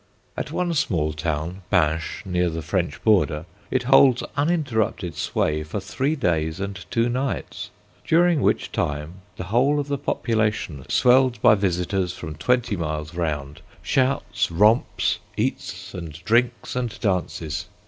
At one small town, Binche, near the French border, it holds uninterrupted sway for three days and two nights, during which time the whole of the population, swelled by visitors from twenty miles round, shouts, romps, eats and drinks and dances.